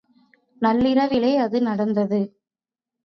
நள்ளிரவிலே அது நடந்தது.